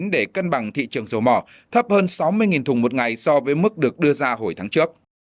để cân bằng thị trường dầu mỏ thấp hơn sáu mươi thùng một ngày so với mức được đưa ra hồi tháng trước